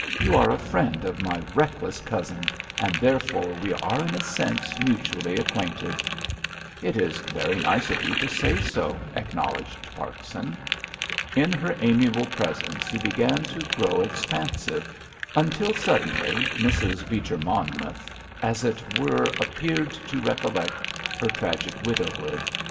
You are a friend of my reckless cousin, and, therefore, we are in a sense mutually acquainted." "It is very nice of you to say so," acknowledged Parkson. In her amiable presence he began to grow expansive, until suddenly Mrs. Beecher Monmouth, as it were, appeared to recollect her tragic widowhood.